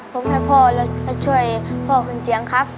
พร้อมให้พอแล้วช่วยพอขึ้นเจียงครับ